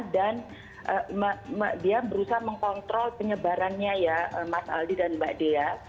dan dia berusaha mengkontrol penyebarannya ya mas aldi dan mbak dea